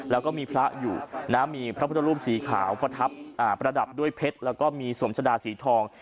แล้วก็มีพระอยู่นะมีพระพุทธรูปสีขาวประทับประดับด้วยเพชรแล้วก็มีสวมชะดาสีทอง